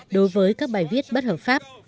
đối với các bài viết bất hợp pháp